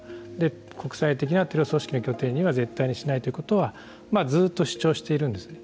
国際的なテロ組織の拠点には絶対にしないということはずっと主張しているんですね。